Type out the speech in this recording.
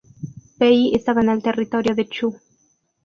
Pei estaba en el territorio de Chu.